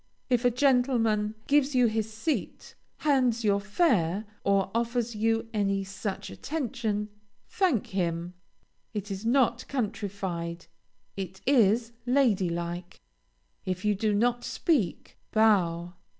If a gentleman gives you his seat, hands your fare, or offers you any such attention, thank him. It is not countrified, it is lady like. If you do not speak, bow.